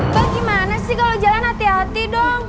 pak gimana sih kalo jalan hati hati dong